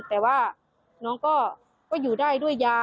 แต่ว่าน้องก็อยู่ได้ด้วยยา